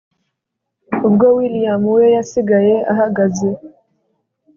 ubwo william we yasigaye ahagaze